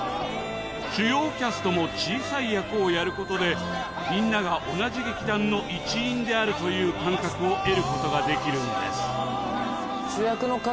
主要キャストも小さい役をやることでみんなが同じ劇団の一員であるという感覚を得ることができるんです。